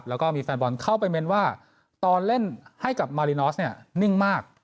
แล้วก็มีแฟนบอลเข้าไปเม้นว่าตอนเล่นให้กับมารินอสเนี่ยนิ่งมาก